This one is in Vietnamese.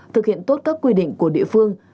thực hiện tốt các quy định của địa phương